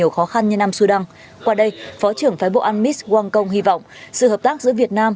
khó khăn như nam sudan qua đây phó trưởng phái bộ an mis wang kong hy vọng sự hợp tác giữa việt nam